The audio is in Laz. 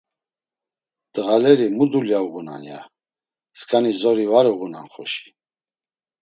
“Ndğaleri mu dulya uğunan!” ya; “Sǩani zori var uğunan xoşi!”